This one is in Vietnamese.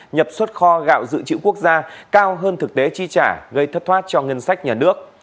nhập xuất kho gạo dự trữ quốc gia cao hơn thực tế chi trả gây thất thoát cho ngân sách nhà nước